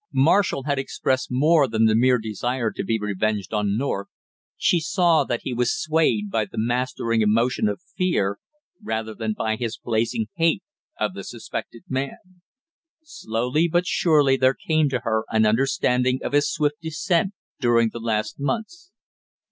Marshall had expressed more than the mere desire to be revenged on North, she saw that he was swayed by the mastering emotion of fear, rather than by his blazing hate of the suspected man. Slowly but surely there came to her an understanding of his swift descent during the last months.